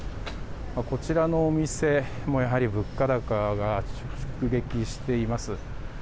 こちらのお店も、やはり物価高が直撃しています。